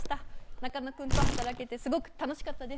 中野君と働けてすごく楽しかったです。